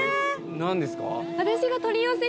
何ですか？